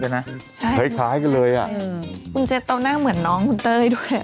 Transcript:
ทั้งสายกันเลยอ่ะคุณเจ๊ต้อน่าเหมาะน้องคุณเตยด้วย